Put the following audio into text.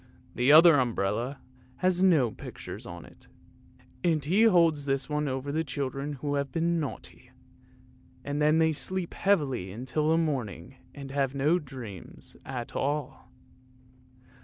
The other umbrella has no pictures on it, and he holds this one over the children who have been naughty, and then they sleep heavily till the morning and have no dreams at all.